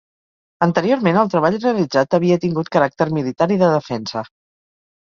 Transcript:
Anteriorment, el treball realitzat havia tingut caràcter militar i de defensa.